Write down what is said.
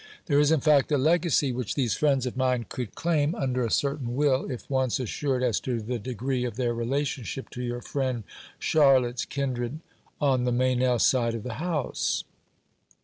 There is, in fact, a legacy which these friends of mine could claim, under a certain will, if once assured as to the degree of their relationship to your friend Charlotte's kindred on the Meynell side of the house.